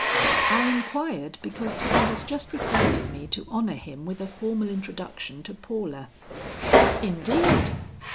"I inquired because he has just requested me to honor him with a formal introduction to Paula." "Indeed!